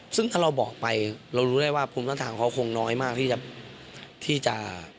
ซึ่งถ้าเราบอกไปเรารู้ได้ว่าภูมิต้านทานของเขาคงน้อยมากที่จะ